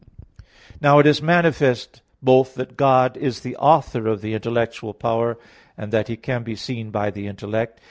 Now it is manifest both that God is the author of the intellectual power, and that He can be seen by the intellect.